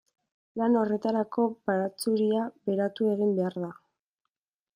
Lan horretarako baratxuria beratu egin behar da.